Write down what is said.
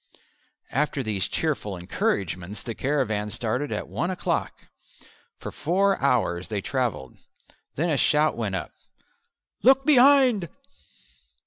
After these cheerful encouragements the caravan started at one o'clock. For four hours they travelled. Then a shout went up "Look behind!"